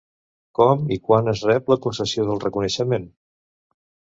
Com i quan es rep la concessió del reconeixement?